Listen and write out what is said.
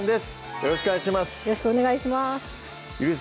よろしくお願いします